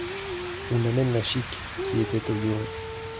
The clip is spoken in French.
On amène La Chique, qui était au violon.